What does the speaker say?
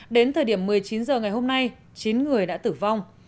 đến thời điểm một mươi chín h ngày hôm nay chín người đã tử vong